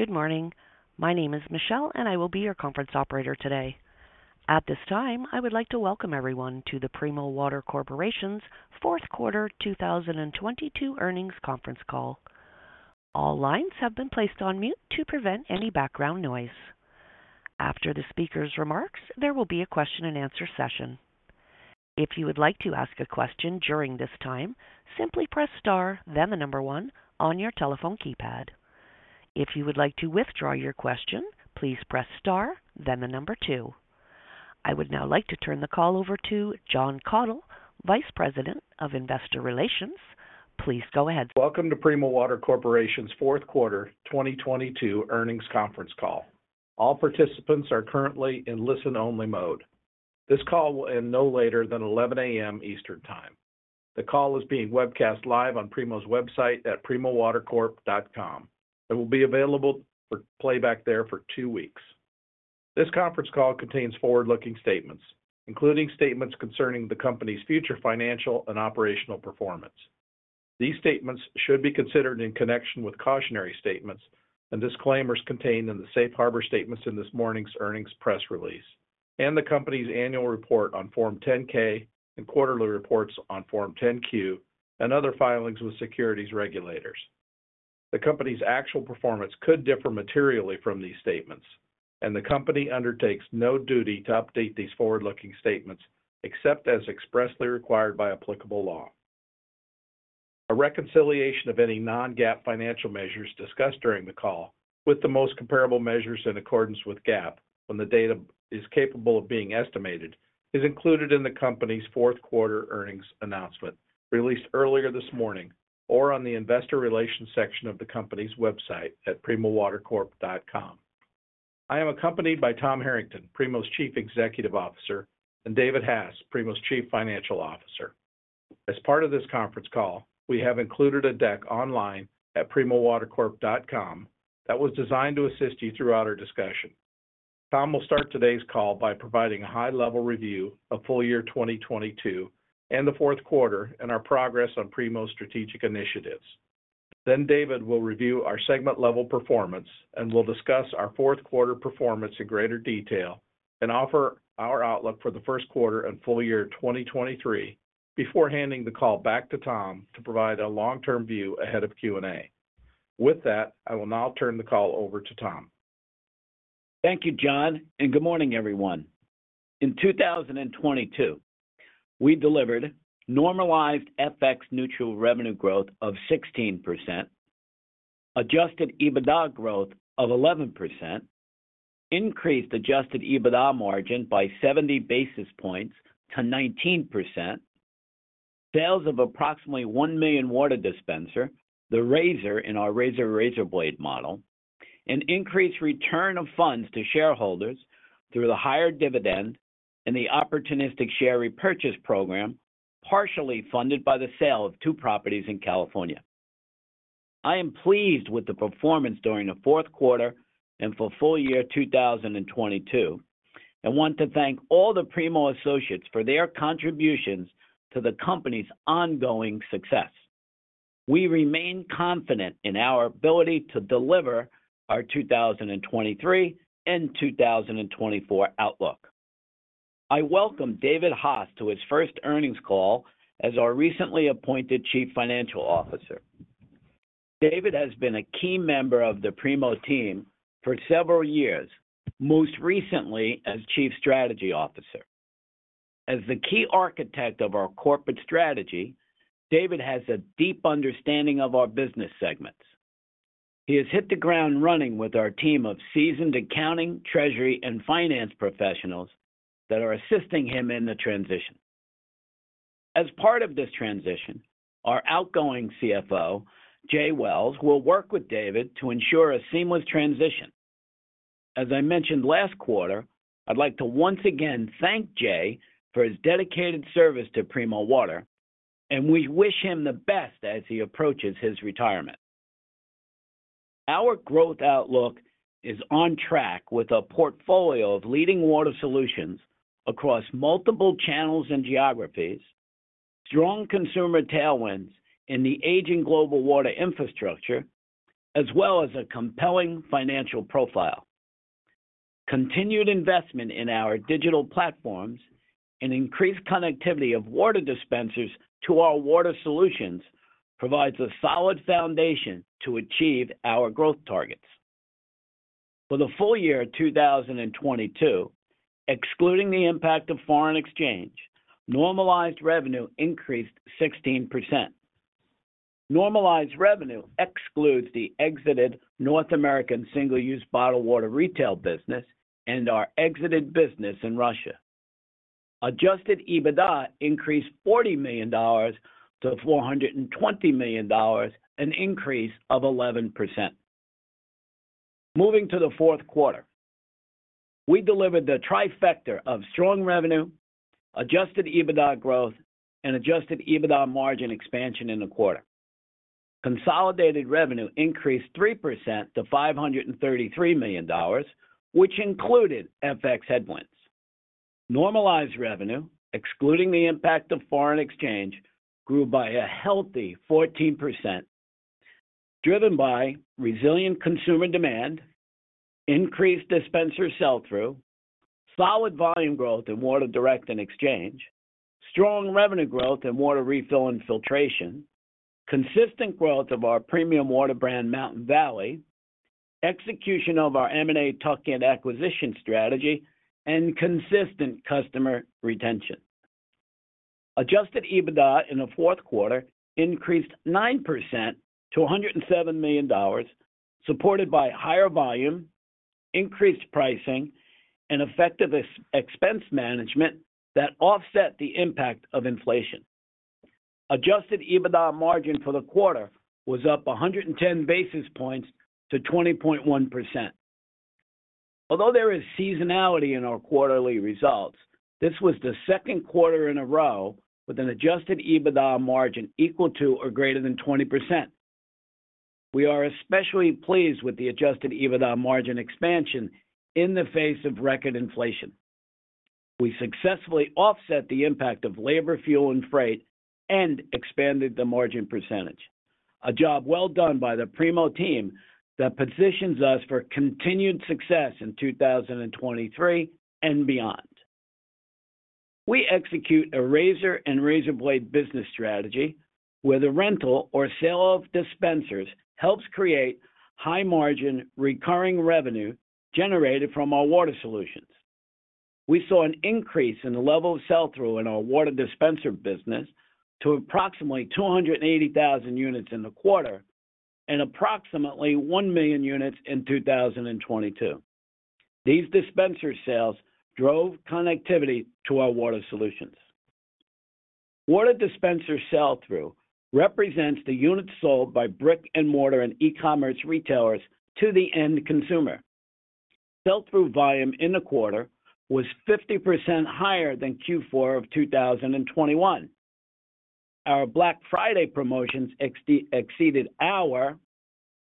Good morning. My name is Michelle. I will be your conference operator today. At this time, I would like to welcome everyone to the Primo Water Corporation's fourth quarter 2022 earnings conference call. All lines have been placed on mute to prevent any background noise. After the speaker's remarks, there will be a question-and-answer session. If you would like to ask a question during this time, simply press star then the one on your telephone keypad. If you would like to withdraw your question, please press star then the two. I would now like to turn the call over to Jon Kathol, Vice President of Investor Relations. Please go ahead. Welcome to Primo Water Corporation's fourth quarter 2022 earnings conference call. All participants are currently in listen-only mode. This call will end no later than 11:00 A.M. Eastern Time. The call is being webcast live on Primo's website at primowatercorp.com and will be available for playback there for two weeks. This conference call contains forward-looking statements, including statements concerning the company's future financial and operational performance. These statements should be considered in connection with cautionary statements and disclaimers contained in the safe harbor statements in this morning's earnings press release and the company's annual report on Form 10-K and quarterly reports on Form 10-Q and other filings with securities regulators. The company's actual performance could differ materially from these statements, and the company undertakes no duty to update these forward-looking statements except as expressly required by applicable law. A reconciliation of any non-GAAP financial measures discussed during the call with the most comparable measures in accordance with GAAP when the data is capable of being estimated, is included in the company's fourth quarter earnings announcement released earlier this morning or on the investor relations section of the company's website at primowatercorp.com. I am accompanied by Tom Harrington, Primo's Chief Executive Officer, and David Hass, Primo's Chief Financial Officer. As part of this conference call, we have included a deck online at primowatercorp.com that was designed to assist you throughout our discussion. Tom will start today's call by providing a high-level review of full year 2022 and the fourth quarter and our progress on Primo's strategic initiatives. David will review our segment level performance and will discuss our fourth quarter performance in greater detail and offer our outlook for the first quarter and full year 2023 before handing the call back to Tom to provide a long-term view ahead of Q&A. With that, I will now turn the call over to Tom. Thank you, John. Good morning, everyone. In 2022, we delivered normalized FX neutral revenue growth of 16%, adjusted EBITDA growth of 11%, increased adjusted EBITDA margin by 70 basis points to 19%, sales of approximately 1 million water dispenser, the Razor in our razor-razor blade model, an increased return of funds to shareholders through the higher dividend and the opportunistic share repurchase program, partially funded by the sale of two properties in California. I am pleased with the performance during the fourth quarter and for full year 2022 and want to thank all the Primo associates for their contributions to the company's ongoing success. We remain confident in our ability to deliver our 2023 and 2024 outlook. I welcome David Hass to his first earnings call as our recently appointed Chief Financial Officer. David Hass has been a key member of the Primo team for several years, most recently as Chief Strategy Officer. As the key architect of our corporate strategy, David Hass has a deep understanding of our business segments. He has hit the ground running with our team of seasoned accounting, treasury, and finance professionals that are assisting him in the transition. As part of this transition, our outgoing CFO, Jay Wells, will work with David Hass to ensure a seamless transition. As I mentioned last quarter, I'd like to once again thank Jay for his dedicated service to Primo Water, and we wish him the best as he approaches his retirement. Our growth outlook is on track with a portfolio of leading water solutions across multiple channels and geographies, strong consumer tailwinds in the aging global water infrastructure, as well as a compelling financial profile. Continued investment in our digital platforms and increased connectivity of water dispensers to our water solutions provides a solid foundation to achieve our growth targets. For the full year 2022, excluding the impact of foreign exchange, normalized revenue increased 16%. Normalized revenue excludes the exited North American single-use bottled water retail business and our exited business in Russia. Adjusted EBITDA increased $40 million to $420 million, an increase of 11%. Moving to the fourth quarter, we delivered the trifecta of strong revenue, adjusted EBITDA growth, and adjusted EBITDA margin expansion in the quarter. Consolidated revenue increased 3% to $533 million, which included FX headwinds. Normalized revenue, excluding the impact of foreign exchange, grew by a healthy 14%, driven by resilient consumer demand, increased dispenser sell-through, solid volume growth in Water Direct and Water Exchange, strong revenue growth in Water Refill and filtration, consistent growth of our premium water brand, Mountain Valley, execution of our M&A tuck-in acquisition strategy, and consistent customer retention. Adjusted EBITDA in the fourth quarter increased 9% to $107 million, supported by higher volume, increased pricing, and effective expense management that offset the impact of inflation. Adjusted EBITDA margin for the quarter was up 110 basis points to 20.1%. Although there is seasonality in our quarterly results, this was the second quarter in a row with an adjusted EBITDA margin equal to or greater than 20%. We are especially pleased with the adjusted EBITDA margin expansion in the face of record inflation. We successfully offset the impact of labor, fuel, and freight and expanded the margin %. A job well done by the Primo team that positions us for continued success in 2023 and beyond. We execute a razor and razor blade business strategy, where the rental or sale of dispensers helps create high-margin recurring revenue generated from our water solutions. We saw an increase in the level of sell-through in our water dispenser business to approximately 280,000 units in the quarter and approximately 1 million units in 2022. These dispenser sales drove connectivity to our water solutions. Water dispenser sell-through represents the units sold by brick-and-mortar and e-commerce retailers to the end consumer. Sell-through volume in the quarter was 50% higher than Q4 of 2021. Our Black Friday promotions exceeded our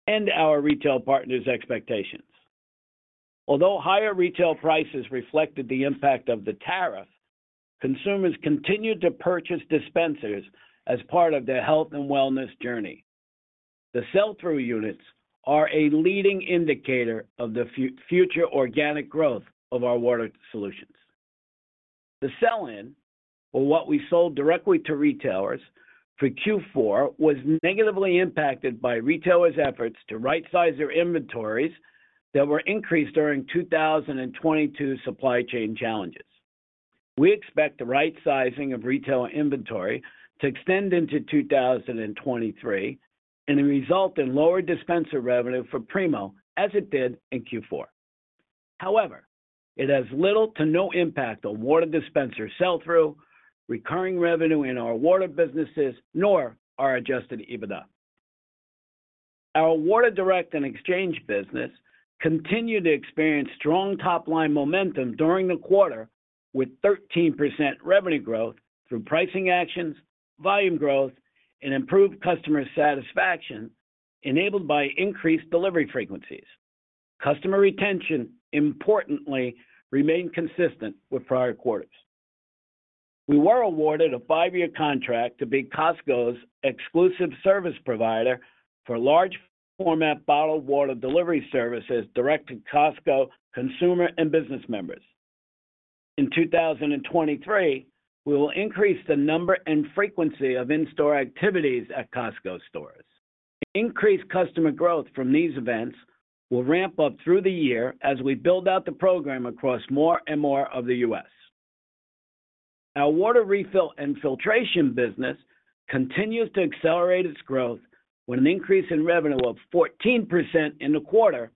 and our retail partners' expectations. Higher retail prices reflected the impact of the tariff, consumers continued to purchase dispensers as part of their health and wellness journey. The sell-through units are a leading indicator of the future organic growth of our water solutions. The sell-in, or what we sold directly to retailers, for Q4 was negatively impacted by retailers' efforts to right-size their inventories that were increased during 2022 supply chain challenges. We expect the right-sizing of retailer inventory to extend into 2023 and result in lower dispenser revenue for Primo as it did in Q4. It has little to no impact on water dispenser sell-through, recurring revenue in our water businesses, nor our adjusted EBITDA. Our Water Direct and Water Exchange business continued to experience strong top-line momentum during the quarter, with 13% revenue growth through pricing actions, volume growth, and improved customer satisfaction enabled by increased delivery frequencies. Customer retention, importantly, remained consistent with prior quarters. We were awarded a 5-year contract to be Costco's exclusive service provider for large format bottled water delivery services direct to Costco consumer and business members. In 2023, we will increase the number and frequency of in-store activities at Costco stores. Increased customer growth from these events will ramp up through the year as we build out the program across more and more of the U.S. Our Refill and filtration business continues to accelerate its growth with an increase in revenue of 14% in the quarter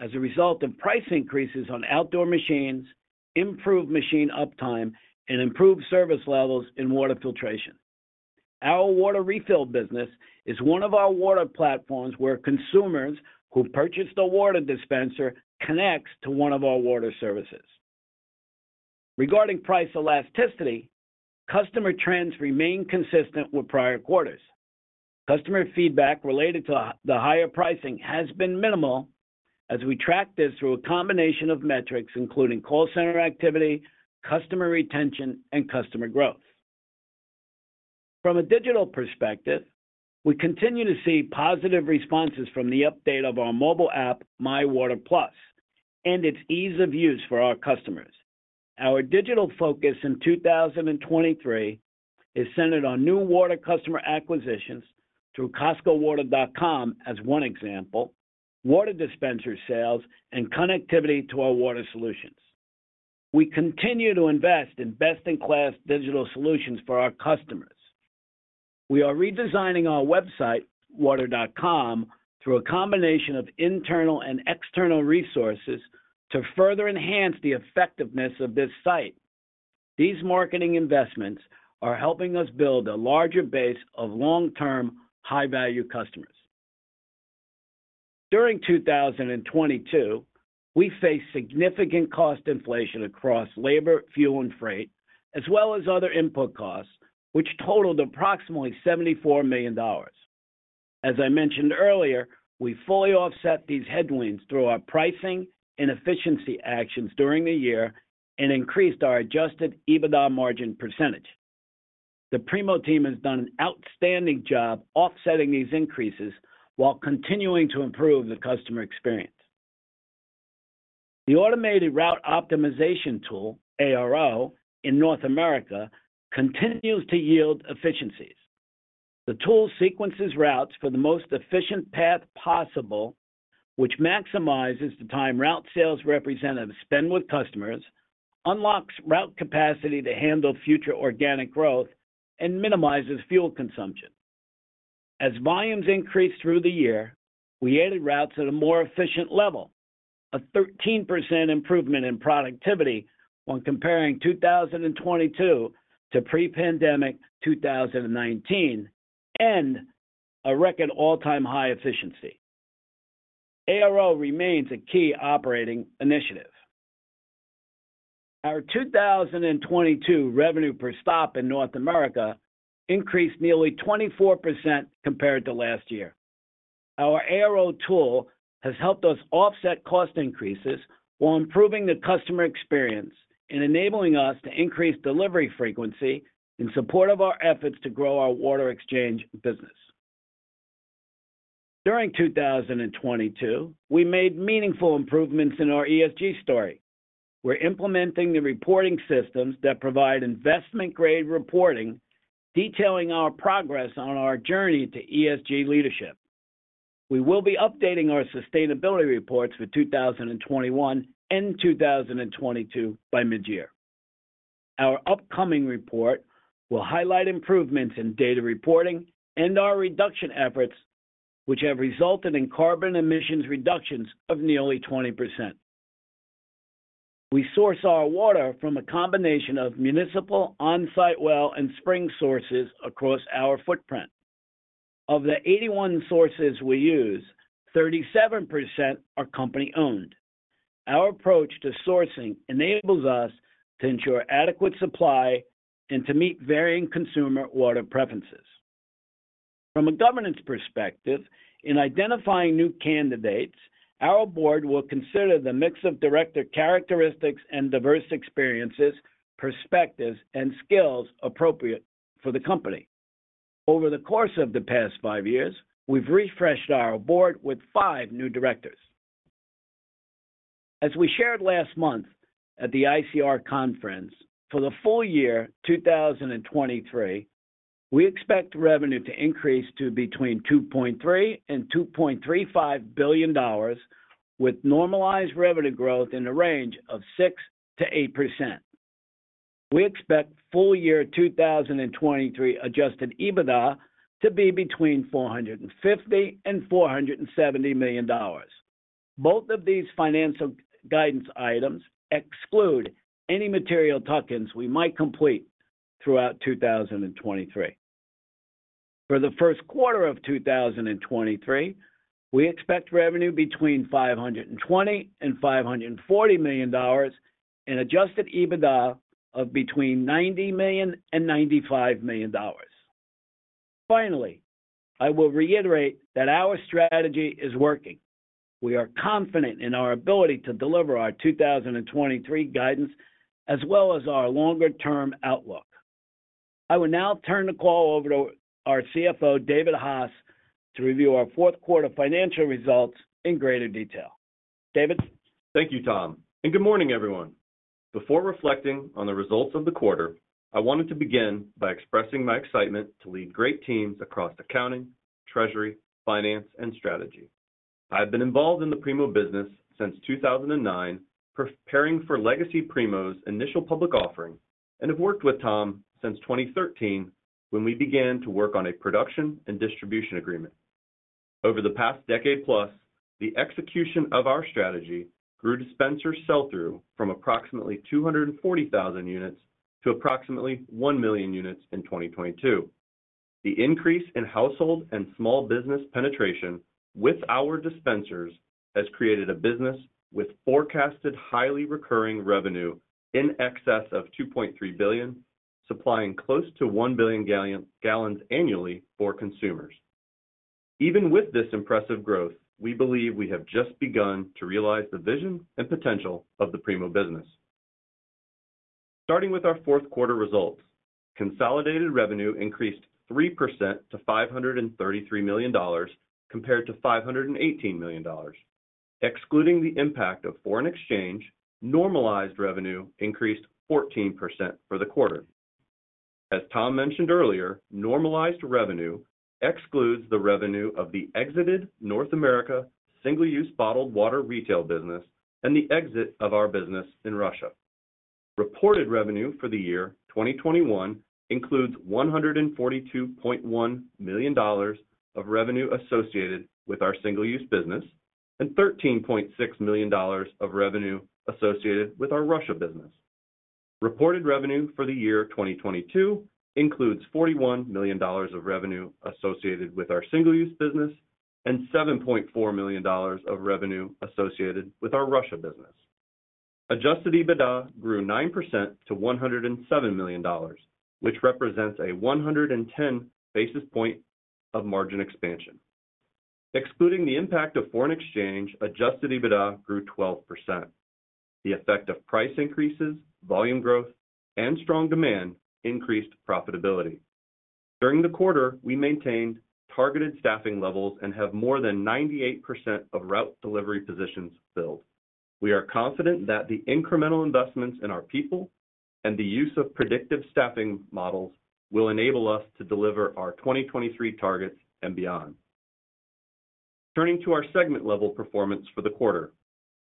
as a result of price increases on outdoor machines, improved machine uptime, and improved service levels in water filtration. Our Refill business is one of our water platforms where consumers who purchased a water dispenser connects to one of our water services. Regarding price elasticity, customer trends remain consistent with prior quarters. Customer feedback related to the higher pricing has been minimal, as we track this through a combination of metrics, including call center activity, customer retention, and customer growth. From a digital perspective, we continue to see positive responses from the update of our mobile app, My Water+, and its ease of use for our customers. Our digital focus in 2023 is centered on new water customer acquisitions through costcowater.com as one example, water dispenser sales, and connectivity to our water solutions. We continue to invest in best-in-class digital solutions for our customers. We are redesigning our website, water.com, through a combination of internal and external resources to further enhance the effectiveness of this site. These marketing investments are helping us build a larger base of long-term, high-value customers. During 2022, we faced significant cost inflation across labor, fuel, and freight, as well as other input costs, which totaled approximately $74 million. As I mentioned earlier, we fully offset these headwinds through our pricing and efficiency actions during the year and increased our adjusted EBITDA margin %. The Primo team has done an outstanding job offsetting these increases while continuing to improve the customer experience. The automated route optimization tool, ARO, in North America continues to yield efficiencies. The tool sequences routes for the most efficient path possible, which maximizes the time route sales representatives spend with customers, unlocks route capacity to handle future organic growth, and minimizes fuel consumption. As volumes increased through the year, we added routes at a more efficient level, a 13% improvement in productivity when comparing 2022 to pre-pandemic 2019, and a record all-time high efficiency. ARO remains a key operating initiative. Our 2022 revenue per stop in North America increased nearly 24% compared to last year. Our ARO tool has helped us offset cost increases while improving the customer experience and enabling us to increase delivery frequency in support of our efforts to grow our Water Exchange business. During 2022, we made meaningful improvements in our ESG story. We're implementing the reporting systems that provide investment-grade reporting, detailing our progress on our journey to ESG leadership. We will be updating our sustainability reports for 2021 and 2022 by mid-year. Our upcoming report will highlight improvements in data reporting and our reduction efforts, which have resulted in carbon emissions reductions of nearly 20%. We source our water from a combination of municipal on-site well and spring sources across our footprint. Of the 81 sources we use, 37% are company-owned. Our approach to sourcing enables us to ensure adequate supply and to meet varying consumer water preferences. From a governance perspective, in identifying new candidates, our board will consider the mix of director characteristics and diverse experiences, perspectives, and skills appropriate for the company. Over the course of the past five years, we've refreshed our board with five new directors. As we shared last month at the ICR conference, for the full year 2023, we expect revenue to increase to between $2.3 billion and $2.35 billion with normalized revenue growth in the range of 6%-8%. We expect full year 2023 adjusted EBITDA to be between $450 million and $470 million. Both of these financial guidance items exclude any material tuck-ins we might complete throughout 2023. For the first quarter of 2023, we expect revenue between $520 million and $540 million and adjusted EBITDA of between $90 million and $95 million. Finally, I will reiterate that our strategy is working. We are confident in our ability to deliver our 2023 guidance as well as our longer-term outlook. I will now turn the call over to our CFO, David Hass, to review our fourth quarter financial results in greater detail. David? Thank you, Tom, and good morning, everyone. Before reflecting on the results of the quarter, I wanted to begin by expressing my excitement to lead great teams across accounting, treasury, finance, and strategy. I've been involved in the Primo business since 2009, preparing for Legacy Primo's initial public offering, and have worked with Tom since 2013 when we began to work on a production and distribution agreement. Over the past decade plus, the execution of our strategy grew dispenser sell-through from approximately 240,000 units to approximately 1 million units in 2022. The increase in household and small business penetration with our dispensers has created a business with forecasted highly recurring revenue in excess of $2.3 billion, supplying close to 1 billion gallons annually for consumers. Even with this impressive growth, we believe we have just begun to realize the vision and potential of the Primo business. Starting with our fourth quarter results, consolidated revenue increased 3% to $533 million, compared to $518 million. Excluding the impact of foreign exchange, normalized revenue increased 14% for the quarter. As Tom mentioned earlier, normalized revenue excludes the revenue of the exited North America single-use bottled water retail business and the exit of our business in Russia. Reported revenue for the year 2021 includes $142.1 million of revenue associated with our single-use business and $13.6 million of revenue associated with our Russia business. Reported revenue for the year 2022 includes $41 million of revenue associated with our single-use business and $7.4 million of revenue associated with our Russia business. Adjusted EBITDA grew 9% to $107 million, which represents a 110 basis point of margin expansion. Excluding the impact of foreign exchange, adjusted EBITDA grew 12%. The effect of price increases, volume growth, and strong demand increased profitability. During the quarter, we maintained targeted staffing levels and have more than 98% of route delivery positions filled. We are confident that the incremental investments in our people and the use of predictive staffing models will enable us to deliver our 2023 targets and beyond. Turning to our segment level performance for the quarter,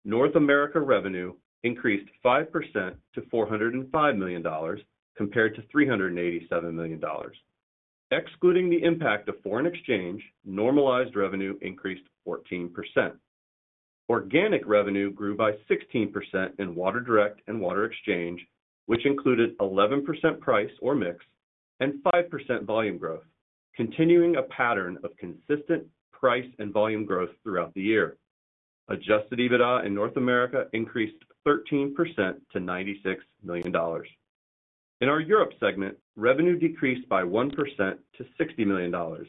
North America revenue increased 5% to $405 million compared to $387 million. Excluding the impact of foreign exchange, normalized revenue increased 14%. Organic revenue grew by 16% in Water Direct and Water Exchange, which included 11% price or mix and 5% volume growth, continuing a pattern of consistent price and volume growth throughout the year. Adjusted EBITDA in North America increased 13% to $96 million. In our Europe segment, revenue decreased by 1% to $60 million.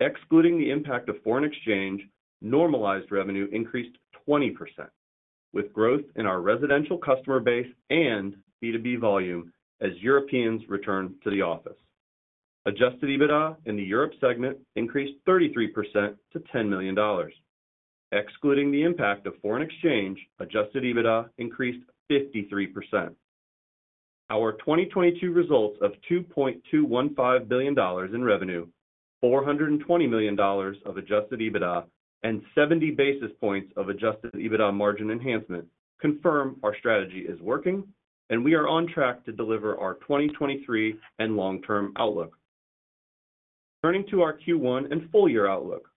Excluding the impact of foreign exchange, normalized revenue increased 20%, with growth in our residential customer base and B2B volume as Europeans return to the office. Adjusted EBITDA in the Europe segment increased 33% to $10 million. Excluding the impact of foreign exchange, adjusted EBITDA increased 53%. Our 2022 results of $2.215 billion in revenue, $420 million of adjusted EBITDA, and 70 basis points of adjusted EBITDA margin enhancement confirm our strategy is working. We are on track to deliver our 2023 and long-term outlook. Turning to our Q1 and full year outlook.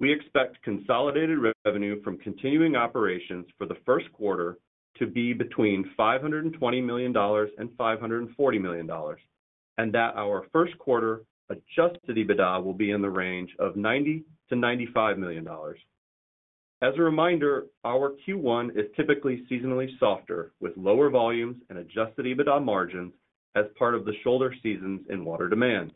We expect consolidated revenue from continuing operations for the first quarter to be between $520 million and $540 million, and that our first quarter adjusted EBITDA will be in the range of $90 million-$95 million. As a reminder, our Q1 is typically seasonally softer with lower volumes and adjusted EBITDA margins as part of the shoulder seasons in water demand.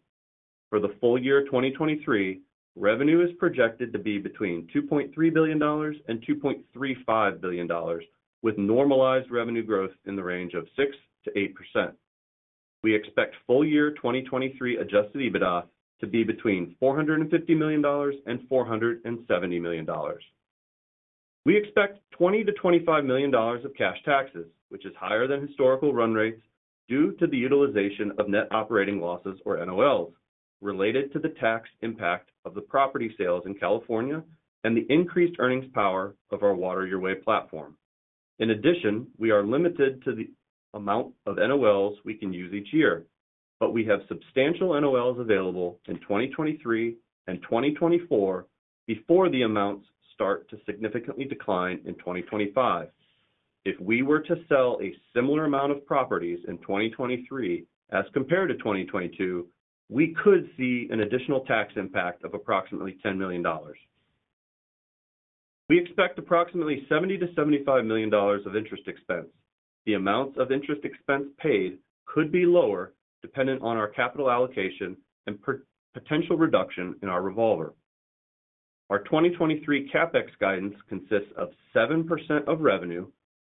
For the full year 2023, revenue is projected to be between $2.3 billion and $2.35 billion, with normalized revenue growth in the range of 6%-8%. We expect full year 2023 adjusted EBITDA to be between $450 million and $470 million. We expect $20 million-$25 million of cash taxes, which is higher than historical run rates due to the utilization of net operating losses or NOLs related to the tax impact of the property sales in California and the increased earnings power of our Water Your Way platform. In addition, we are limited to the amount of NOLs we can use each year, but we have substantial NOLs available in 2023 and 2024 before the amounts start to significantly decline in 2025. If we were to sell a similar amount of properties in 2023 as compared to 2022, we could see an additional tax impact of approximately $10 million. We expect approximately $70 million-$75 million of interest expense. The amounts of interest expense paid could be lower dependent on our capital allocation and potential reduction in our revolver. Our 2023 CapEx guidance consists of 7% of revenue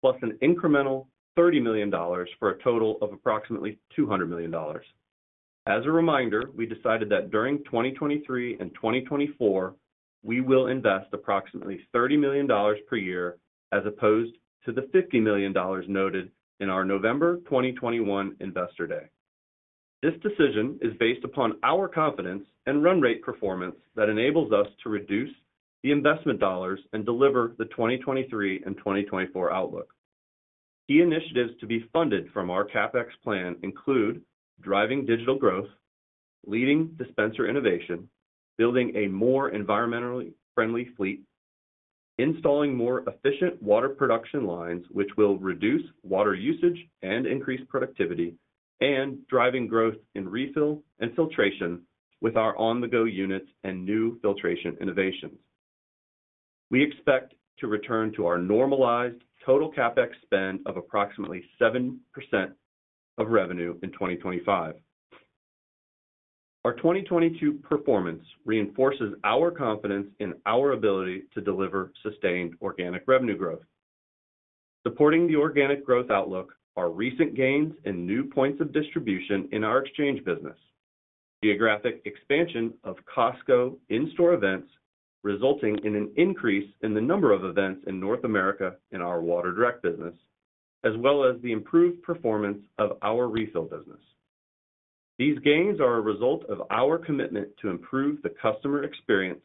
plus an incremental $30 million for a total of approximately $200 million. A reminder, we decided that during 2023 and 2024, we will invest approximately $30 million per year as opposed to the $50 million noted in our November 2021 Investor Day. This decision is based upon our confidence and run rate performance that enables us to reduce the investment dollars and deliver the 2023 and 2024 outlook. Key initiatives to be funded from our CapEx plan include driving digital growth, leading dispenser innovation, building a more environmentally friendly fleet, installing more efficient water production lines, which will reduce water usage and increase productivity, and driving growth in Refill and filtration with our on-the-go units and new filtration innovations. We expect to return to our normalized total CapEx spend of approximately 7% of revenue in 2025. Our 2022 performance reinforces our confidence in our ability to deliver sustained organic revenue growth. Supporting the organic growth outlook are recent gains in new points of distribution in our Exchange business, geographic expansion of Costco in-store events resulting in an increase in the number of events in North America in our Water Direct business, as well as the improved performance of our Refill business. These gains are a result of our commitment to improve the customer experience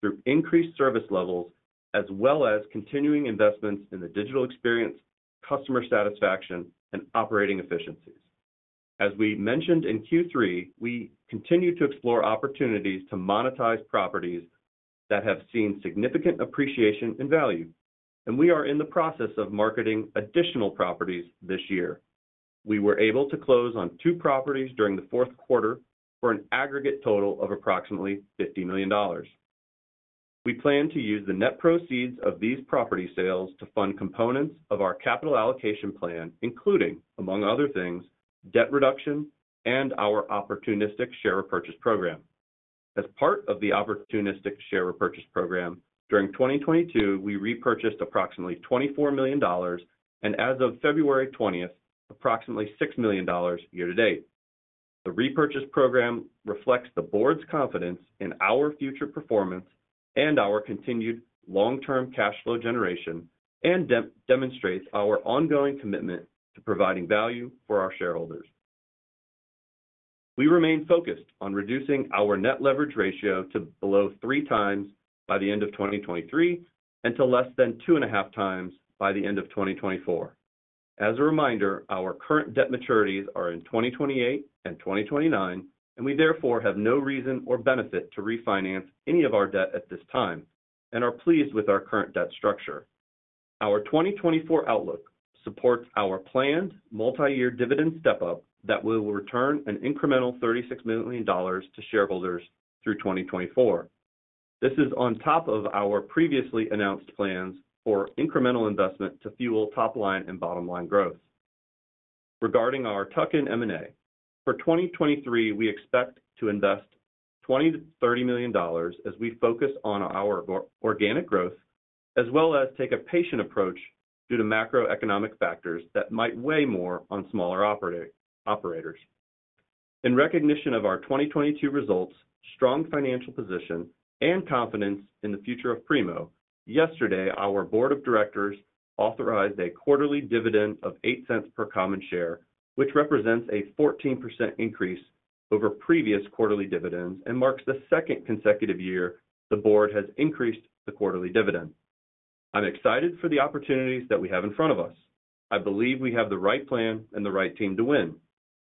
through increased service levels as well as continuing investments in the digital experience, customer satisfaction, and operating efficiencies. As we mentioned in Q3, we continue to explore opportunities to monetize properties that have seen significant appreciation in value, and we are in the process of marketing additional properties this year. We were able to close on two properties during the fourth quarter for an aggregate total of approximately $50 million. We plan to use the net proceeds of these property sales to fund components of our capital allocation plan, including, among other things, debt reduction and our opportunistic share repurchase program. As part of the opportunistic share repurchase program, during 2022, we repurchased approximately $24 million and as of February 20th, approximately $6 million year-to-date. The repurchase program reflects the board's confidence in our future performance and our continued long-term cash flow generation and demonstrates our ongoing commitment to providing value for our shareholders. We remain focused on reducing our net leverage ratio to below 3x by the end of 2023 and to less than 2.5x by the end of 2024. As a reminder, our current debt maturities are in 2028 and 2029. We therefore have no reason or benefit to refinance any of our debt at this time and are pleased with our current debt structure. Our 2024 outlook supports our planned multi-year dividend step-up that will return an incremental $36 million to shareholders through 2024. This is on top of our previously announced plans for incremental investment to fuel top line and bottom line growth. Regarding our tuck-in M&A, for 2023, we expect to invest $20 million-$30 million as we focus on our organic growth as well as take a patient approach due to macroeconomic factors that might weigh more on smaller operators. In recognition of our 2022 results, strong financial position, and confidence in the future of Primo, yesterday, our board of directors authorized a quarterly dividend of $0.08 per common share, which represents a 14% increase over previous quarterly dividends and marks the second consecutive year the board has increased the quarterly dividend. I'm excited for the opportunities that we have in front of us. I believe we have the right plan and the right team to win.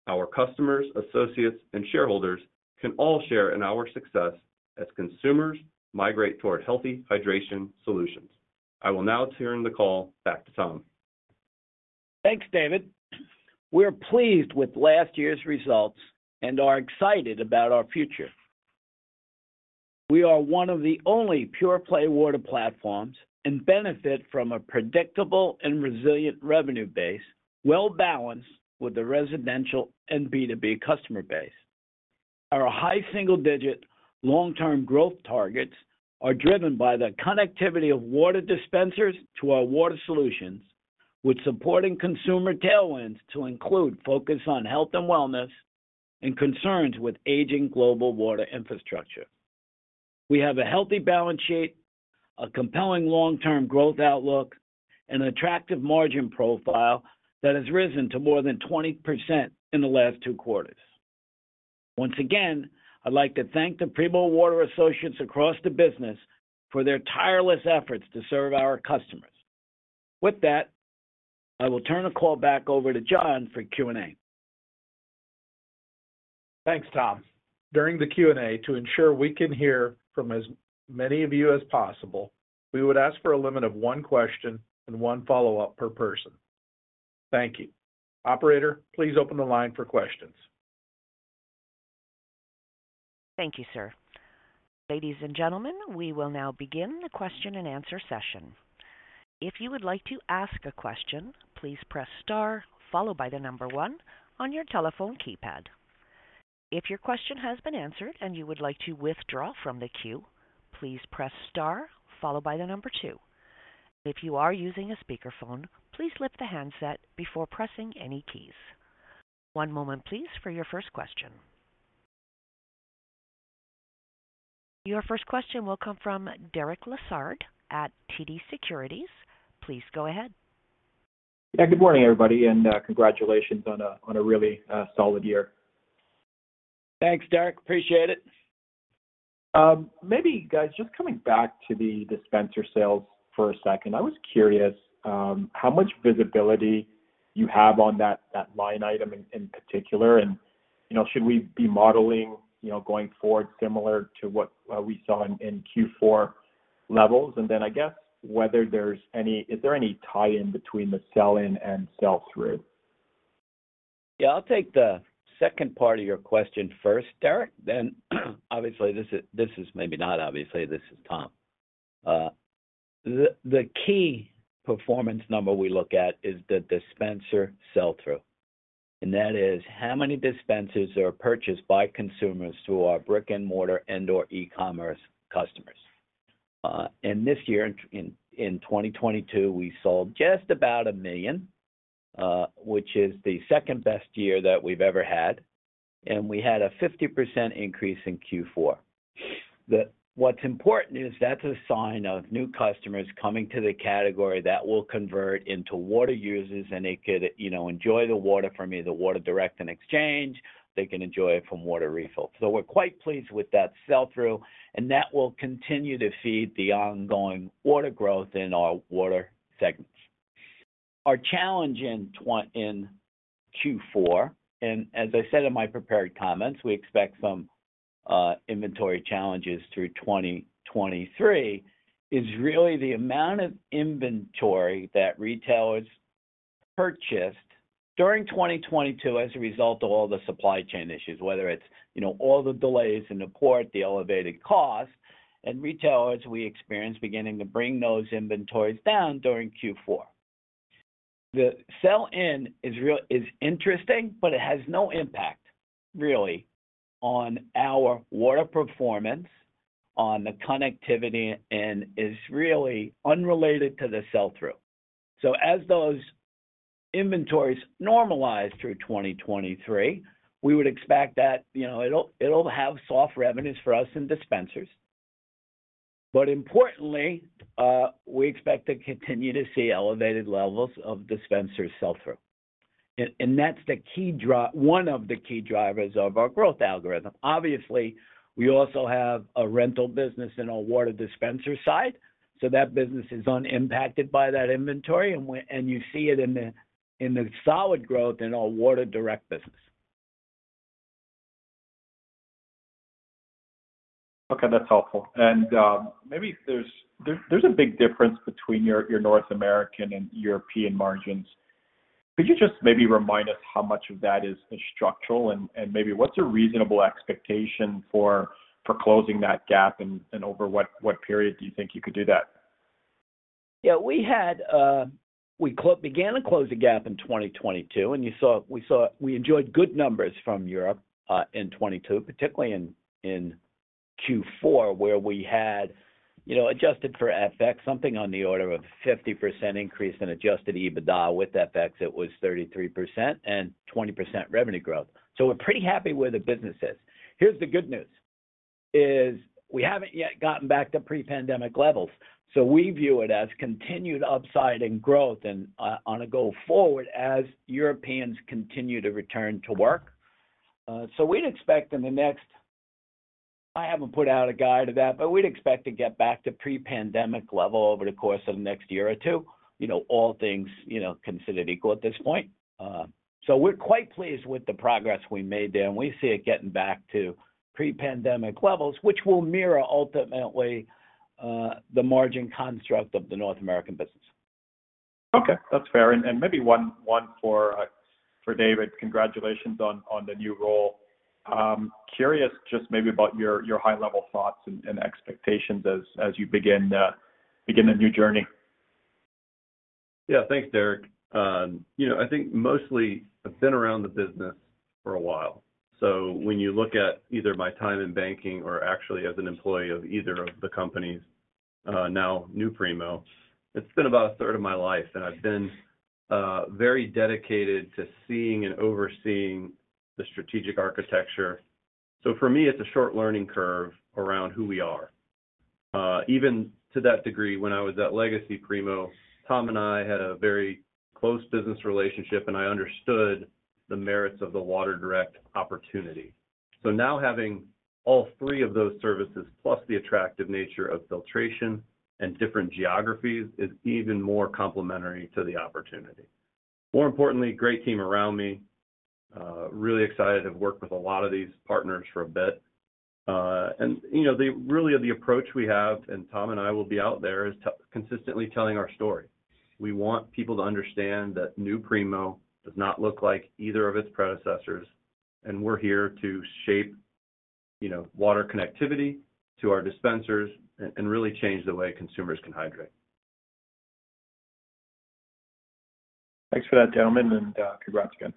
Our customers, associates, and shareholders can all share in our success as consumers migrate toward healthy hydration solutions. I will now turn the call back to Tom. Thanks, David. We're pleased with last year's results and are excited about our future. We are one of the only pure-play water platforms and benefit from a predictable and resilient revenue base, well-balanced with the residential and B2B customer base. Our high single-digit long-term growth targets are driven by the connectivity of water dispensers to our water solutions, with supporting consumer tailwinds to include focus on health and wellness and concerns with aging global water infrastructure. We have a healthy balance sheet, a compelling long-term growth outlook, and an attractive margin profile that has risen to more than 20% in the last 2 quarters. Once again, I'd like to thank the Primo Water associates across the business for their tireless efforts to serve our customers. With that, I will turn the call back over to John for Q&A. Thanks, Tom. During the Q&A, to ensure we can hear from as many of you as possible, we would ask for a limit of one question and one follow-up per person. Thank you. Operator, please open the line for questions. Thank you, sir. Ladies and gentlemen, we will now begin the question-and-answer session. If you would like to ask a question, please press star followed by the one on your telephone keypad. If your question has been answered and you would like to withdraw from the queue, please press star followed by the two. If you are using a speakerphone, please lift the handset before pressing any keys. One moment please for your first question. Your first question will come from Derek Lessard at TD Securities. Please go ahead. Yeah. Good morning, everybody, and congratulations on a really solid year. Thanks, Derek. Appreciate it. Maybe, guys, just coming back to the dispenser sales for a second. I was curious, how much visibility you have on that line item in particular, and, you know, should we be modeling, you know, going forward similar to what we saw in Q4 levels? I guess whether there's any tie-in between the sell-in and sell-through? Yeah. I'll take the second part of your question first, Derek, obviously, this is... Maybe not obviously, this is Tom Harrington. The key performance number we look at is the dispenser sell-through. That is how many dispensers are purchased by consumers through our brick-and-mortar and/or e-commerce customers. This year in 2022, we sold just about $1 million, which is the second-best year that we've ever had, and we had a 50% increase in Q4. What's important is that's a sign of new customers coming to the category that will convert into water users, and they could, you know, enjoy the water from either Water Direct and Exchange. They can enjoy it from Water Refill. We're quite pleased with that sell-through, and that will continue to feed the ongoing water growth in our water segments. Our challenge in Q4, and as I said in my prepared comments, we expect some inventory challenges through 2023, is really the amount of inventory that retailers purchased during 2022 as a result of all the supply chain issues, whether it's, you know, all the delays in the port, the elevated costs, and retailers we experienced beginning to bring those inventories down during Q4. The sell-in is interesting, but it has no impact really on our water performance, on the connectivity, and is really unrelated to the sell-through. As those inventories normalize through 2023, we would expect that, you know, it'll have soft revenues for us in dispensers. Importantly, we expect to continue to see elevated levels of dispenser sell-through. That's one of the key drivers of our growth algorithm. Obviously, we also have a rental business in our water dispenser side, that business is unimpacted by that inventory and you see it in the solid growth in our Water Direct business. Okay, that's helpful. Maybe there's a big difference between your North American and European margins. Could you just maybe remind us how much of that is structural and maybe what's a reasonable expectation for closing that gap and over what period do you think you could do that? We began to close the gap in 2022. You saw we enjoyed good numbers from Europe in 2022, particularly in Q4, where we had, you know, adjusted for FX, something on the order of 50% increase in adjusted EBITDA. With FX, it was 33% and 20% revenue growth. We're pretty happy where the business is. Here's the good news, is we haven't yet gotten back to pre-pandemic levels, so we view it as continued upside in growth and on a go forward as Europeans continue to return to work. We'd expect in the next... I haven't put out a guide of that, but we'd expect to get back to pre-pandemic level over the course of the next year or two. You know, all things, you know, considered equal at this point. We're quite pleased with the progress we made there, and we see it getting back to pre-pandemic levels, which will mirror ultimately, the margin construct of the North American business. Okay. That's fair. Maybe one for David. Congratulations on the new role. Curious just maybe about your high level thoughts and expectations as you begin a new journey. Yeah. Thanks, Derek. you know, I think mostly I've been around the business for a while, when you look at either my time in banking or actually as an employee of either of the companies, now New Primo, it's been about a third of my life, and I've been very dedicated to seeing and overseeing the strategic architecture. For me, it's a short learning curve around who we are. even to that degree, when I was at Legacy Primo, Tom and I had a very close business relationship, and I understood the merits of the Water Direct opportunity. Now having all three of those services, plus the attractive nature of filtration and different geographies, is even more complementary to the opportunity. More importantly, great team around me. really excited to have worked with a lot of these partners for a bit. You know, really the approach we have, and Tom and I will be out there, is consistently telling our story. We want people to understand that New Primo does not look like either of its predecessors, and we're here to shape, you know, water connectivity to our dispensers and really change the way consumers can hydrate. Thanks for that, gentlemen. Congrats again.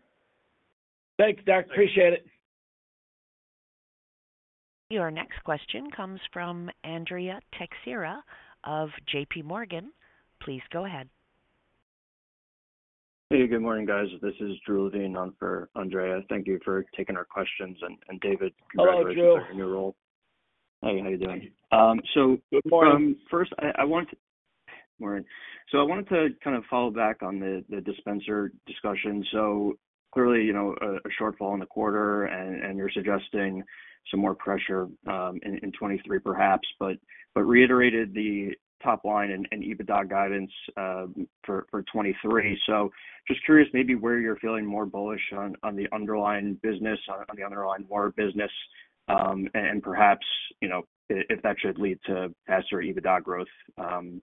Thanks, Derek. Appreciate it. Your next question comes from Andrea Teixeira of JP Morgan. Please go ahead. Hey, good morning, guys. This is Drew Levine on for Andrea. Thank you for taking our questions. David Hass. Hello, Drew.... congratulations on your new role. Hi, how you doing? Good morning. Morning. I wanted to kind of follow back on the dispenser discussion. Clearly, you know, a shortfall in the quarter and you're suggesting some more pressure in 2023 perhaps, but reiterated the top line and EBITDA guidance for 2023. Just curious maybe where you're feeling more bullish on the underlying business, on the underlying water business, and perhaps, you know, if that should lead to faster EBITDA growth,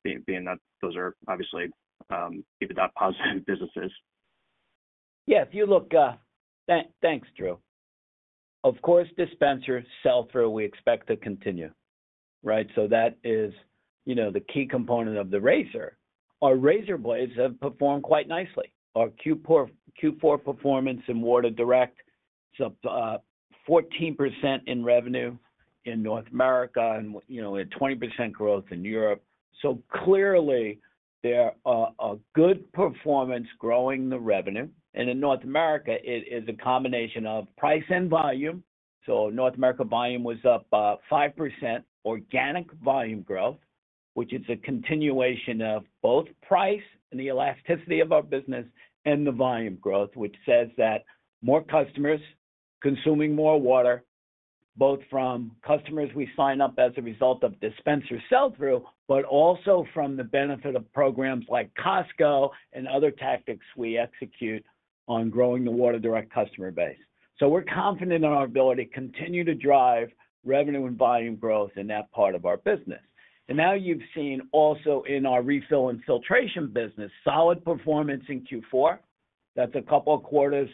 being that those are obviously EBITDA positive businesses. Yeah. If you look, thanks, Drew Levine. Of course, dispenser sell-through we expect to continue, right? That is, you know, the key component of the razor. Our razor blades have performed quite nicely. Our Q4 performance in Water Direct is up 14% in revenue in North America and you know, a 20% growth in Europe. Clearly there a good performance growing the revenue. In North America it is a combination of price and volume. North America volume was up 5% organic volume growth, which is a continuation of both price and the elasticity of our business and the volume growth, which says that more customers consuming more water, both from customers we sign up as a result of dispenser sell-through, but also from the benefit of programs like Costco and other tactics we execute on growing the Water Direct customer base. We're confident in our ability to continue to drive revenue and volume growth in that part of our business. Now you've seen also in our Refill and filtration business, solid performance in Q4. That's a couple of quarters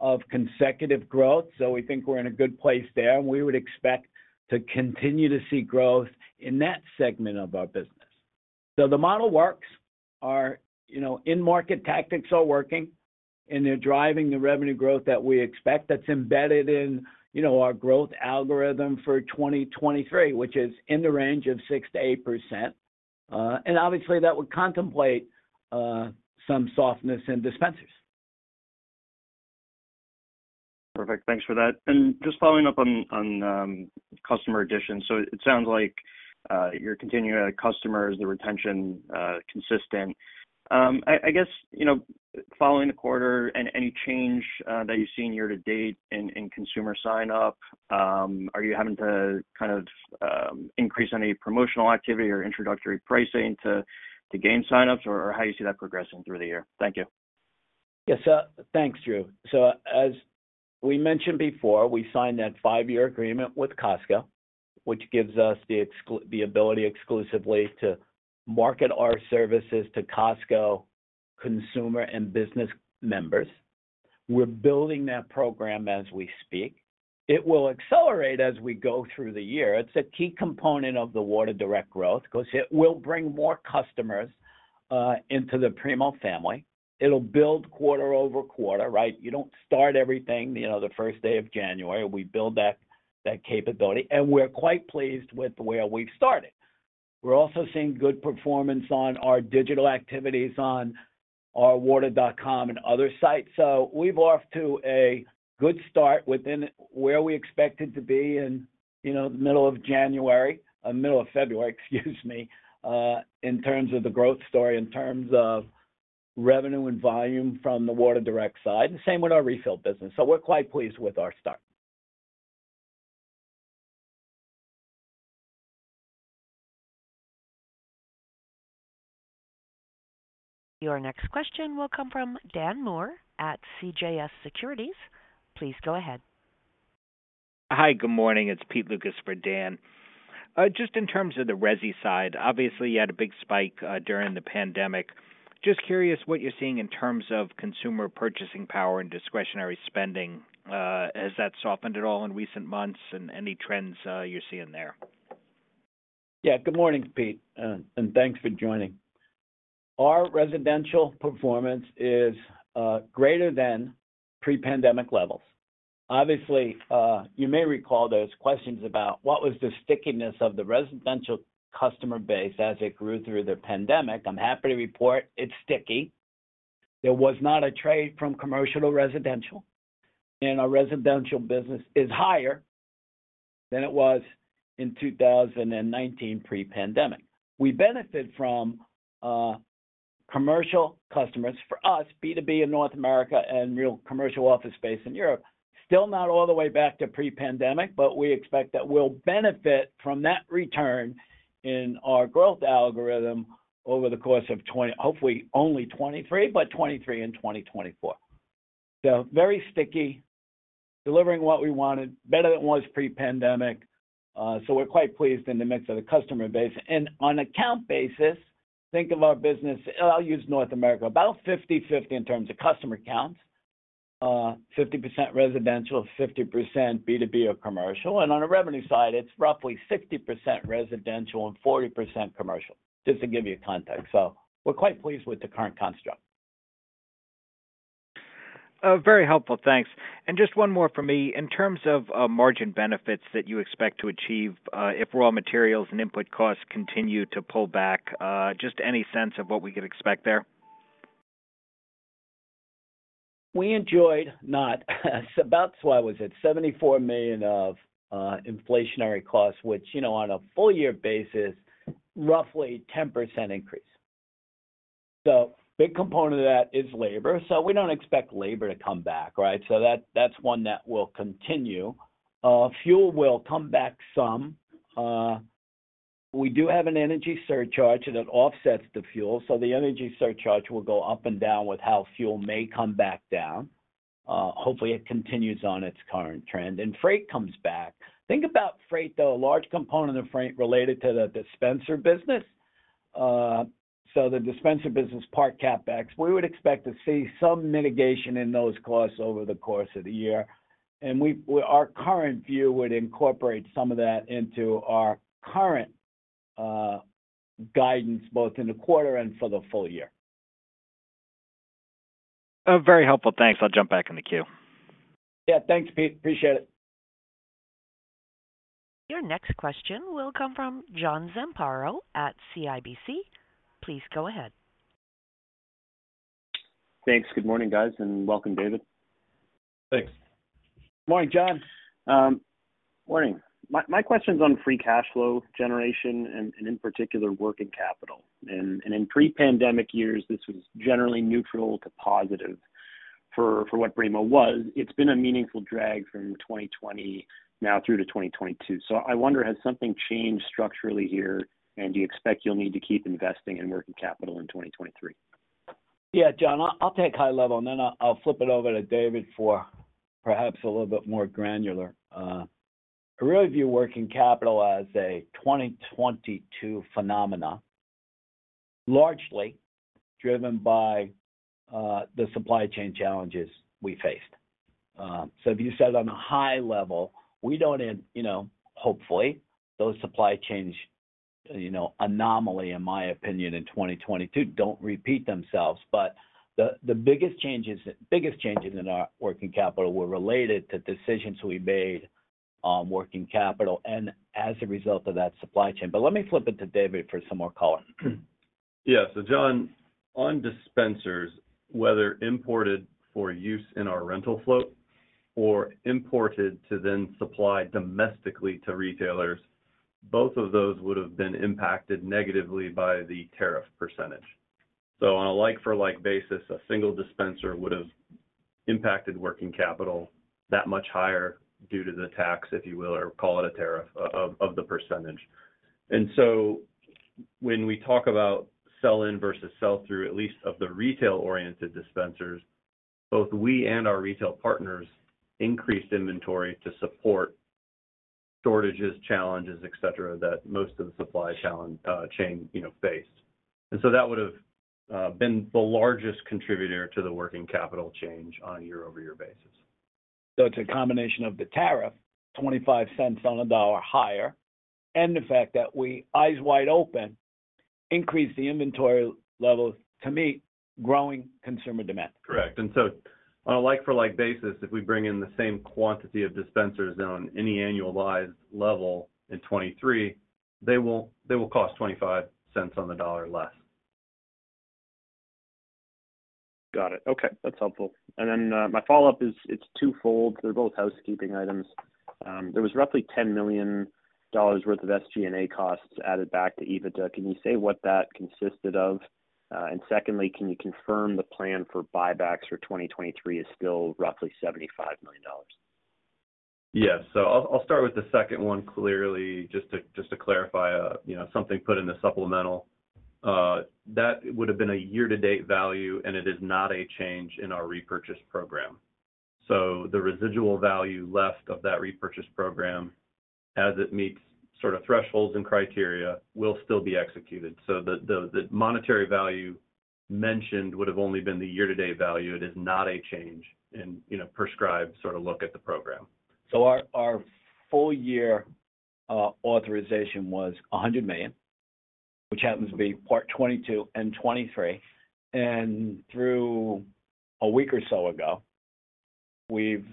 of consecutive growth. We think we're in a good place there, and we would expect to continue to see growth in that segment of our business. The model works. Our, you know, in-market tactics are working, and they're driving the revenue growth that we expect that's embedded in, you know, our growth algorithm for 2023, which is in the range of 6%-8%. Obviously that would contemplate some softness in dispensers. Perfect. Thanks for that. Just following up on customer additions. It sounds like you're continuing to add customers, the retention consistent. I guess, you know, following the quarter and any change that you've seen year to date in consumer sign-up, are you having to kind of increase any promotional activity or introductory pricing to gain sign-ups or how you see that progressing through the year? Thank you. Yes. Thanks, Drew. As we mentioned before, we signed that five-year agreement with Costco, which gives us the ability exclusively to market our services to Costco consumer and business members. We're building that program as we speak. It will accelerate as we go through the year. It's a key component of the Water Direct growth 'cause it will bring more customers into the Primo family. It'll build quarter-over-quarter, right? You don't start everything, you know, the first day of January. We build that capability, and we're quite pleased with where we've started. We're also seeing good performance on our digital activities on our water.com and other sites. We've off to a good start within where we expected to be in, you know, the middle of January, middle of February, excuse me, in terms of the growth story, in terms of revenue and volume from the Water Direct side, and same with our Refill business. We're quite pleased with our start. Your next question will come from Dan Moore at CJS Securities. Please go ahead. Hi. Good morning. It's Peter Lukas for Dan. Just in terms of the resi side, obviously you had a big spike during the pandemic. Just curious what you're seeing in terms of consumer purchasing power and discretionary spending. Has that softened at all in recent months? Any trends you're seeing there? Yeah. Good morning, Pete, and thanks for joining. Our residential performance is greater than pre-pandemic levels. Obviously, you may recall there was questions about what was the stickiness of the residential customer base as it grew through the pandemic. I'm happy to report it's sticky. There was not a trade from commercial to residential. Our residential business is higher than it was in 2019 pre-pandemic. We benefit from commercial customers, for us, B2B in North America and real commercial office space in Europe. Still not all the way back to pre-pandemic. We expect that we'll benefit from that return in our growth algorithm over the course of hopefully only '23, but '23 and 2024. Very sticky, delivering what we wanted, better than it was pre-pandemic. We're quite pleased in the mix of the customer base. On account basis, think of our business, I'll use North America, about 50/50 in terms of customer counts, 50% residential, 50% B2B or commercial. On a revenue side, it's roughly 60% residential and 40% commercial, just to give you context. We're quite pleased with the current construct. very helpful. Thanks. Just one more from me. In terms of margin benefits that you expect to achieve, if raw materials and input costs continue to pull back, just any sense of what we could expect there? We enjoyed not about, what was it, $74 million of inflationary costs, which, you know, on a full year basis, roughly 10% increase. Big component of that is labor. We don't expect labor to come back, right? That's one that will continue. Fuel will come back some. We do have an energy surcharge that offsets the fuel, the energy surcharge will go up and down with how fuel may come back down. Hopefully, it continues on its current trend. Freight comes back. Think about freight, though, a large component of freight related to the dispenser business. The dispenser business, part CapEx, we would expect to see some mitigation in those costs over the course of the year. Our current view would incorporate some of that into our current guidance, both in the quarter and for the full year. Very helpful. Thanks. I'll jump back in the queue. Yeah. Thanks, Pete. Appreciate it. Your next question will come from John Zamparo at CIBC. Please go ahead. Thanks. Good morning, guys, and welcome, David. Thanks. Morning, John. Morning. My question's on free cash flow generation and in particular, working capital. In pre-pandemic years, this was generally neutral to positive for what Primo was. It's been a meaningful drag from 2020 now through to 2022. I wonder has something changed structurally here, and do you expect you'll need to keep investing in working capital in 2023? Yeah, John, I'll take high level and then I'll flip it over to David for perhaps a little bit more granular. I really view working capital as a 2022 phenomena, largely driven by the supply chain challenges we faced. If you said on a high level, we don't end, you know, hopefully, those supply chains, you know, anomaly, in my opinion, in 2022 don't repeat themselves. The biggest changes in our working capital were related to decisions we made on working capital and as a result of that supply chain. Let me flip it to David for some more color. John, on dispensers, whether imported for use in our rental float or imported to then supply domestically to retailers, both of those would have been impacted negatively by the tariff %. On a like for like basis, a single dispenser would have impacted working capital that much higher due to the tax, if you will, or call it a tariff of the %. When we talk about sell-in versus sell-through, at least of the retail-oriented dispensers, both we and our retail partners increased inventory to support shortages, challenges, et cetera, that most of the supply chain, you know, faced. That would have been the largest contributor to the working capital change on a year-over-year basis. It's a combination of the tariff, $0.25 on a dollar higher, and the fact that we, eyes wide open, increased the inventory levels to meet growing consumer demand. Correct. On a like for like basis, if we bring in the same quantity of dispensers on any annualized level in 2023, they will cost $0.25 on the dollar less. Got it. Okay. That's helpful. My follow-up is, it's twofold. They're both housekeeping items. There was roughly $10 million worth of SG&A costs added back to EBITDA. Can you say what that consisted of? Secondly, can you confirm the plan for buybacks for 2023 is still roughly $75 million? Yeah. I'll start with the second one, clearly, just to, just to clarify, you know, something put in the supplemental. That would have been a year-to-date value, and it is not a change in our repurchase program. The residual value left of that repurchase program, as it meets sort of thresholds and criteria, will still be executed. The monetary value mentioned would have only been the year-to-date value. It is not a change in, you know, prescribed sort of look at the program. Our full year authorization was $100 million, which happens to be part 22 and 23. Through a week or so ago, we've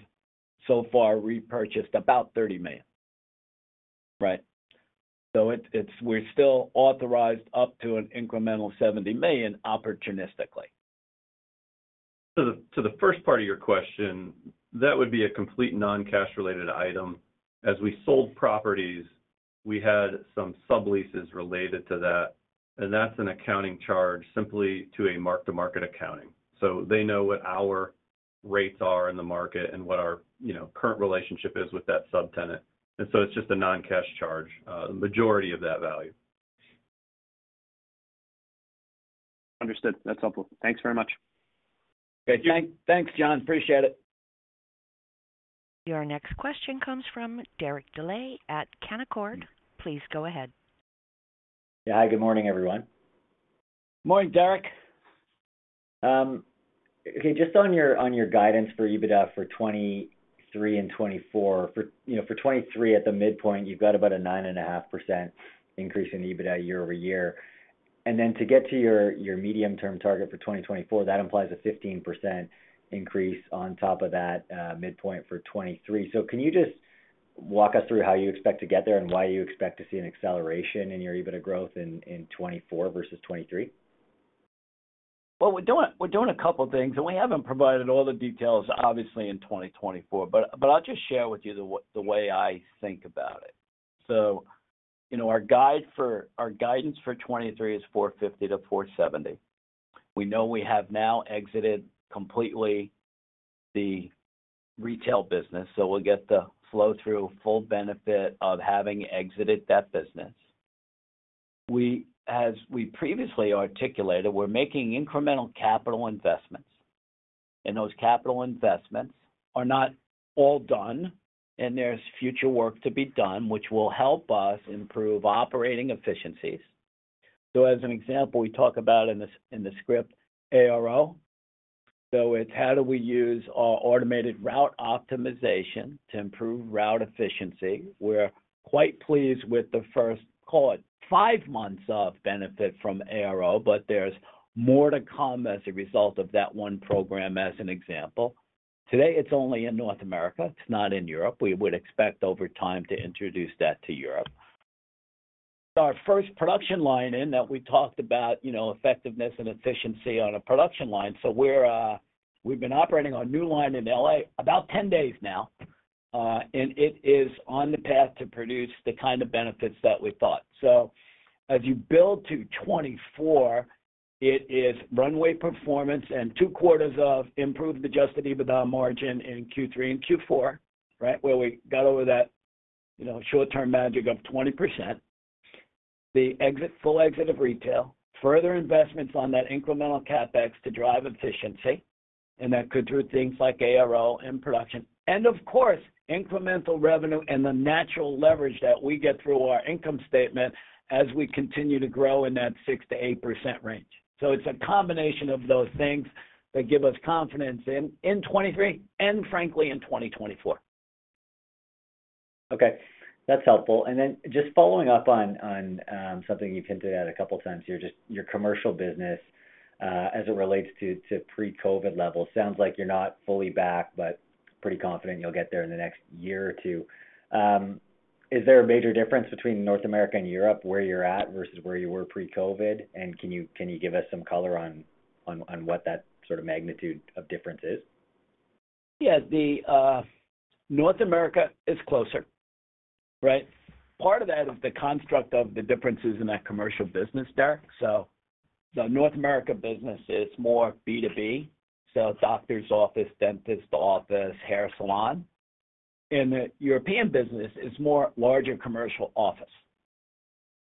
so far repurchased about $30 million. Right. We're still authorized up to an incremental $70 million opportunistically. To the first part of your question, that would be a complete non-cash related item. As we sold properties, we had some subleases related to that, and that's an accounting charge simply to a mark-to-market accounting. They know what our rates are in the market and what our, you know, current relationship is with that subtenant. It's just a non-cash charge, the majority of that value. Understood. That's helpful. Thanks very much. Okay. Thanks, John. Appreciate it. Your next question comes from Derek Dley at Canaccord. Please go ahead. Yeah. Hi, good morning, everyone. Morning, Derek. Okay, just on your, on your guidance for EBITDA for 2023 and 2024. You know, for 2023 at the midpoint, you've got about a 9.5% increase in EBITDA year-over-year. To get to your medium-term target for 2024, that implies a 15% increase on top of that midpoint for 2023. Can you just walk us through how you expect to get there and why you expect to see an acceleration in your EBITDA growth in 2024 versus 2023? We're doing a couple of things, and we haven't provided all the details, obviously, in 2024, but I'll just share with you the way I think about it. You know, our guidance for 2023 is $450-$470. We know we have now exited completely the retail business, so we'll get the flow through full benefit of having exited that business. As we previously articulated, we're making incremental capital investments, and those capital investments are not all done, and there's future work to be done which will help us improve operating efficiencies. As an example, we talk about in the script ARO. It's how do we use our automated route optimization to improve route efficiency. We're quite pleased with the first, call it, 5 months of benefit from ARO. There's more to come as a result of that one program as an example. Today, it's only in North America. It's not in Europe. We would expect over time to introduce that to Europe. Our first production line in that we talked about, you know, effectiveness and efficiency on a production line. We've been operating our new line in L.A. about 10 days now, and it is on the path to produce the kind of benefits that we thought. As you build to 2024, it is runway performance and two quarters of improved adjusted EBITDA margin in Q3 and Q4, right? Where we got over that, you know, short-term magic of 20%. The exit, full exit of retail, further investments on that incremental CapEx to drive efficiency, and that could do with things like ARO and production. Of course, incremental revenue and the natural leverage that we get through our income statement as we continue to grow in that 6%-8% range. It's a combination of those things that give us confidence in 2023 and frankly in 2024. That's helpful. Just following up on something you hinted at a couple of times here, just your commercial business as it relates to pre-COVID levels. Sounds like you're not fully back, but pretty confident you'll get there in the next year or two. Is there a major difference between North America and Europe, where you're at versus where you were pre-COVID? Can you give us some color on what that sort of magnitude of difference is? Yeah. The North America is closer, right? Part of that is the construct of the differences in that commercial business, Derek. The North America business is more B2B, so doctor's office, dentist office, hair salon. In the European business, it's more larger commercial office.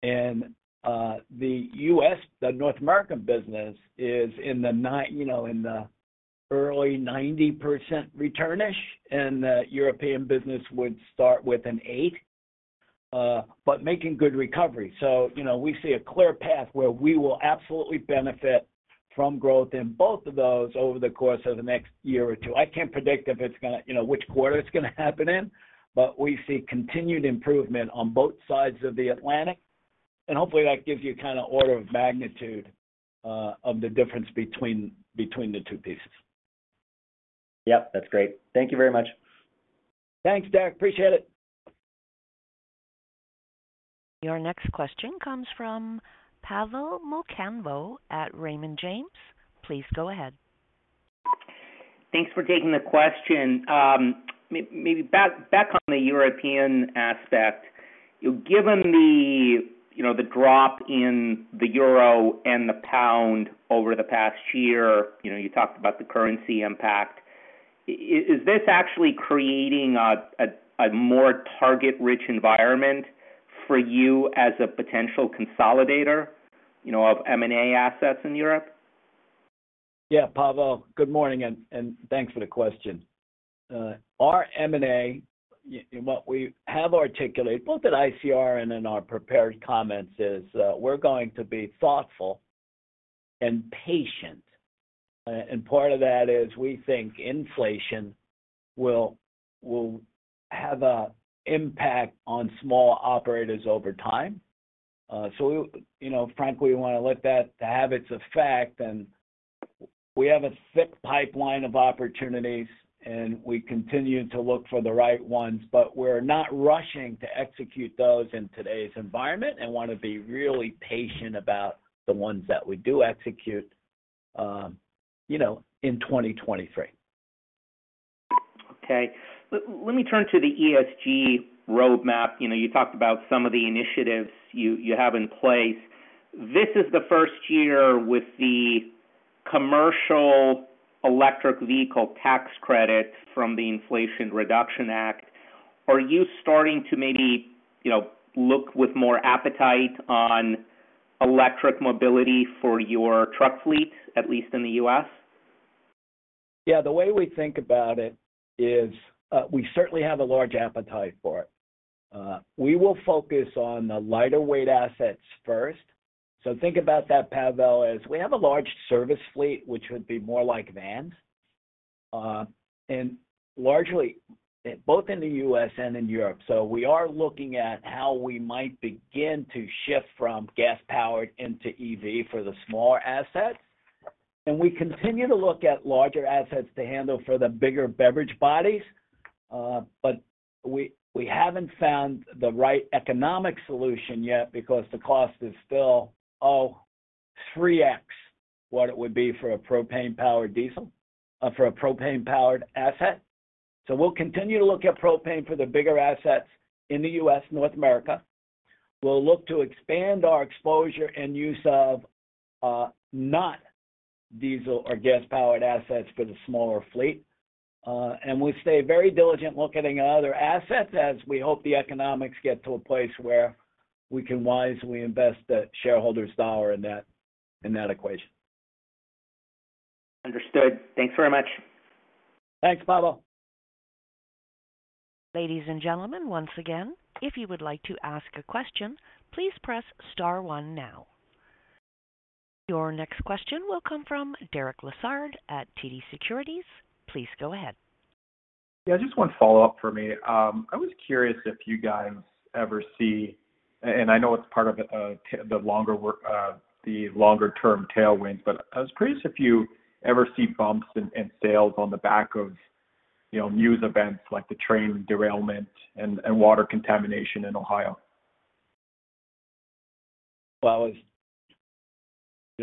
The U.S., the North American business is you know, in the early 90% return-ish, and the European business would start with an 8, but making good recovery. You know, we see a clear path where we will absolutely benefit from growth in both of those over the course of the next year or to. I can't predict if it's you know, which quarter it's gonna happen in, but we see continued improvement on both sides of the Atlantic. Hopefully that gives you kind of order of magnitude, of the difference between the two pieces. Yep, that's great. Thank you very much. Thanks, Derek. Appreciate it. Your next question comes from Pavel Molchanov at Raymond James. Please go ahead. Thanks for taking the question. Maybe back on the European aspect, given the, you know, the drop in the euro and the pound over the past year, you know, you talked about the currency impact. Is this actually creating a more target-rich environment for you as a potential consolidator, you know, of M&A assets in Europe? Yeah. Pavel, good morning, and thanks for the question. Our M&A, what we have articulated both at ICR and in our prepared comments is, we're going to be thoughtful and patient. Part of that is we think inflation will have a impact on small operators over time. You know, frankly, we wanna let that to have its effect. We have a thick pipeline of opportunities, and we continue to look for the right ones. We're not rushing to execute those in today's environment and wanna be really patient about the ones that we do execute, you know, in 2023. Okay. Let me turn to the ESG roadmap. You know, you talked about some of the initiatives you have in place. This is the first year with the commercial electric vehicle tax credits from the Inflation Reduction Act. Are you starting to maybe, you know, look with more appetite on electric mobility for your truck fleet, at least in the U.S.? The way we think about it is, we certainly have a large appetite for it. We will focus on the lighter weight assets first. Think about that, Pavel, as we have a large service fleet which would be more like vans, and largely both in the U.S. and in Europe. We are looking at how we might begin to shift from gas-powered into EV for the smaller assets. We continue to look at larger assets to handle for the bigger beverage bodies. We haven't found the right economic solution yet because the cost is still, 3x what it would be for a propane-powered diesel for a propane-powered asset. We'll continue to look at propane for the bigger assets in the U.S., North America. We'll look to expand our exposure and use of, not diesel or gas-powered assets for the smaller fleet. We stay very diligent looking at other assets as we hope the economics get to a place where we can wisely invest the shareholders' dollar in that, in that equation. Understood. Thanks very much. Thanks, Pavel. Ladies and gentlemen, once again, if you would like to ask a question, please press star one now. Your next question will come from Derek Lessard at TD Securities. Please go ahead. Yeah. Just one follow-up for me. I was curious if you guys ever see... and I know it's part of the longer term tailwinds, but I was curious if you ever see bumps in sales on the back of, you know, news events like the train derailment and water contamination in Ohio. You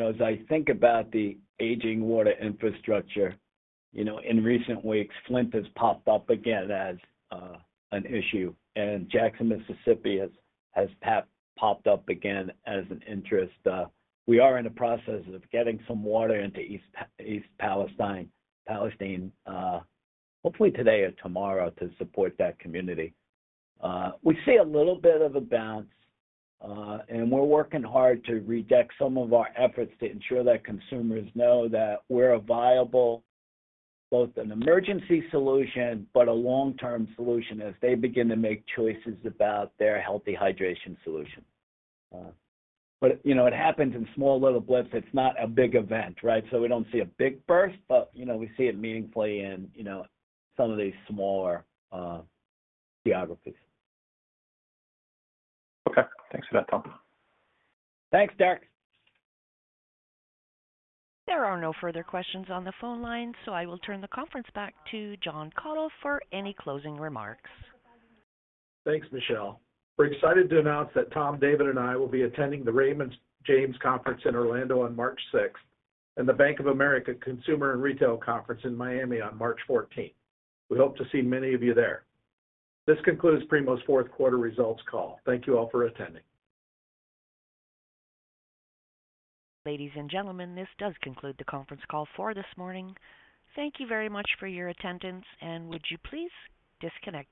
know, as I think about the aging water infrastructure, you know, in recent weeks, Flint has popped up again as an issue, and Jackson, Mississippi, has popped up again as an interest. We are in the process of getting some water into East Palestine, hopefully today or tomorrow to support that community. We see a little bit of a bounce, and we're working hard to redouble some of our efforts to ensure that consumers know that we're a viable, both an emergency solution, but a long-term solution as they begin to make choices about their healthy hydration solution. But, you know, it happens in small little blips. It's not a big event, right? We don't see a big burst, but, you know, we see it meaningfully in, you know, some of these smaller geographies. Okay. Thanks for that, Tom. Thanks, Derek. There are no further questions on the phone line, so I will turn the conference back to John Kathol for any closing remarks. Thanks, Michelle. We're excited to announce that Tom, David, and I will be attending the Raymond James Conference in Orlando on March sixth, and the Bank of America Consumer and Retail Conference in Miami on March fourteenth. We hope to see many of you there. This concludes Primo's fourth quarter results call. Thank you all for attending. Ladies and gentlemen, this does conclude the conference call for this morning. Thank you very much for your attendance, and would you please disconnect.